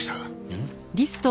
うん？